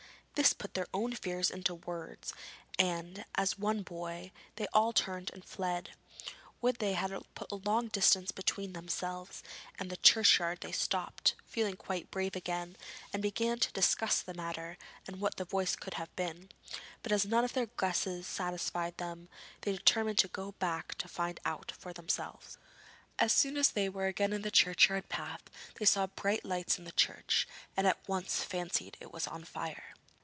This put their own fears into words, and, as one boy, they all turned and fled. When they had put a long distance between themselves and the churchyard they stopped, feeling quite brave again, and began to discuss the matter and what the voice could have been; but as none of their guesses satisfied them, they determined to go back and try to find out for themselves. As soon as they were again in the churchyard path, they saw bright lights in the church and at once fancied it was on fire.